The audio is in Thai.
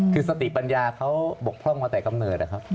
คือสติปัญญาเขาบกพร่องมาแต่กำเนิดนะครับ